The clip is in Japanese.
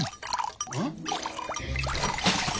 うん？